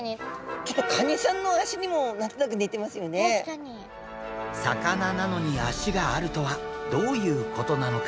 ちょっと魚なのに足があるとはどういうことなのか？